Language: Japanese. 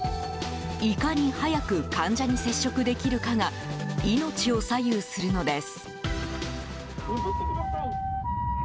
いかに早く患者に接触できるかが命を左右するのです。